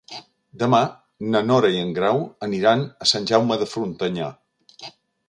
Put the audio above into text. Demà na Nora i en Grau aniran a Sant Jaume de Frontanyà.